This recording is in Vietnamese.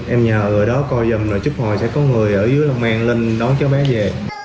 em nhờ người đó coi dùm rồi chút hồi sẽ có người ở dưới long an lên đón cháu bé về